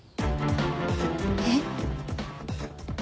えっ？